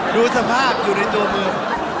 ดูสภาพอยู่ในตัวเมือง